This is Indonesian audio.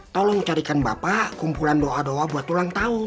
tolong carikan bapak kumpulan doa doa buat ulang tahun